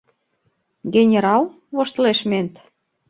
«Генерал?» — воштылеш мент.